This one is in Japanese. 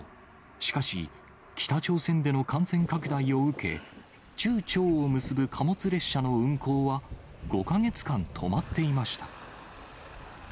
しかし、北朝鮮での感染拡大を受け、中朝を結ぶ貨物列車の運行は、５か月間、止まっていました。